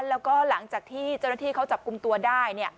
แล้วก็หลังจากที่เจ้าหน้าที่เขาจับกลุ่มตัวได้